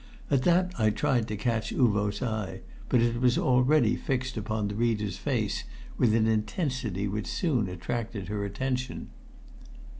At that I tried to catch Uvo's eye, but it was already fixed upon the reader's face with an intensity which soon attracted her attention.